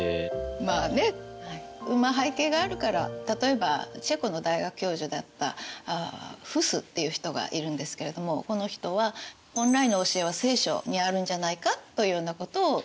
まあねまあ背景があるから例えばチェコの大学教授だったフスっていう人がいるんですけれどもこの人は本来の教えは「聖書」にあるんじゃないかというようなことを言ったりしました。